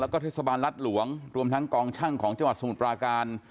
แล้วก็เทศบาลรัฐหลวงรวมทั้งกองช่างของจังหวัดสมุทรปราการ